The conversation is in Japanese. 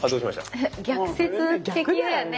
逆説的だよね。